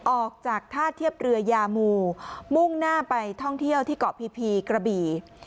ออกจากท่าเทียบเรือยามูมุ่งหน้าไปท่องเที่ยวที่เกาะพีพีกระบี่